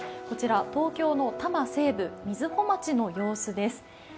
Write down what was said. こちら、東京の多摩西部・瑞穂町の様子です。